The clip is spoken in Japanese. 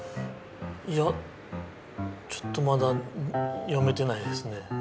いやちょっとまだ読めてないですね。